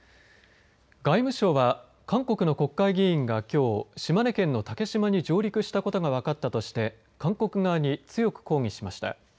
外務省は韓国の国会議員がきょう島根県の竹島に上陸したことが分かったとして韓国側に強く抗議しました。